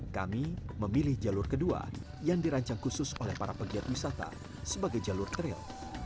kami memilih jalur kedua yang dirancang khusus oleh para pegiat wisata sebagai jalur trail